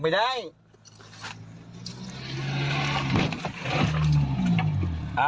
พี่น้ำระวังนะ